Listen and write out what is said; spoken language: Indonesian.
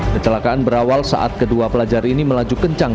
kecelakaan berawal saat kedua pelajar ini melaju kencang